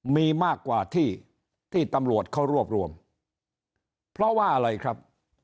มีมากกว่าที่ที่ตำรวจเขารวบรวมเพราะว่าอะไรครับ